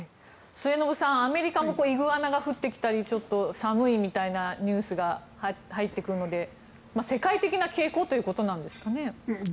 末延さん、アメリカもイグアナが降ってきたり寒いみたいなニュースが入ってくるので世界的な傾向ということなんですかね？